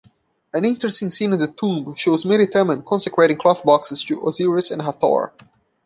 An interesting scene in the tomb shows Meritamen consecrating cloth-boxes to Osiris and Hathor.